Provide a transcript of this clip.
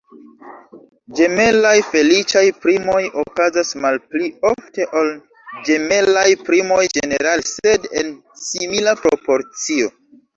Ĝemelaj feliĉaj primoj okazas malpli ofte ol ĝemelaj primoj ĝenerale, sed en simila proporcio.